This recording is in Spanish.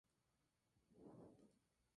Dio clases en el Mexico City College.